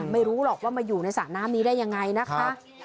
ไม่รู้หรอกว่ามาอยู่ในสระน้ำนี้ได้ยังไงนะคะ